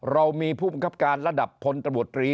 เรามีผู้บังคับการระดับพลตำรวจตรี